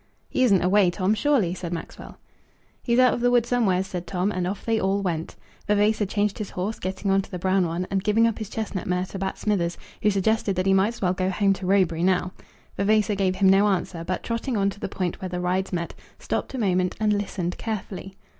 "He isn't away, Tom, surely?" said Maxwell. "He's out of the wood somewheres," said Tom; and off they all went. Vavasor changed his horse, getting on to the brown one, and giving up his chestnut mare to Bat Smithers, who suggested that he might as well go home to Roebury now. Vavasor gave him no answer, but, trotting on to the point where the rides met, stopped a moment and listened carefully.